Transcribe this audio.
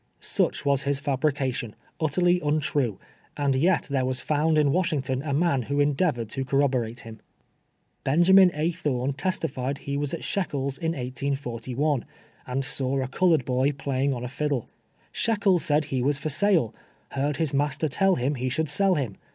Such was his fal)rication, ut terly untrue, and yet there was found in "Washington a man who endeavored to corroborate him. Benjamin A. Thorn testified he was at Shekels' in 1811, and saw a colored boy playiug on a fiddle. " Sliekels said he was for sale. Heard his master tell him he should sell him.